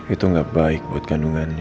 itu nggak baik buat kandungannya